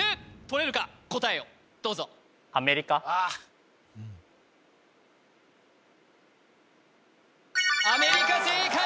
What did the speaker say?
とれるか答えをどうぞアメリカ正解！